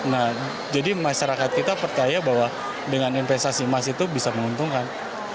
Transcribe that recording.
nah jadi masyarakat kita percaya bahwa dengan investasi emas itu bisa menguntungkan